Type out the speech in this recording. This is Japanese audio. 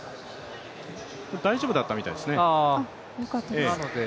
大丈夫だったみたいですね。